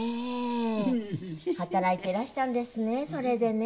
働いてらしたんですねそれでね。